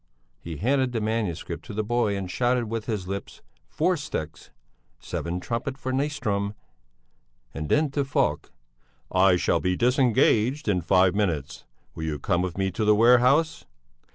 He handed the manuscript to the boy and shouted with his lips: "Four sticks Seventh trumpet for Nyström!" and then to Falk: "I shall be disengaged in five minutes. Will you come with me to the warehouse?"